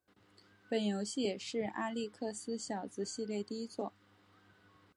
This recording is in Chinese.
本游戏也是阿历克斯小子系列第一作。